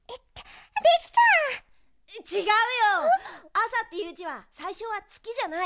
「あさ」っていうじはさいしょは「つき」じゃない。